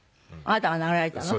あなたが殴られたの？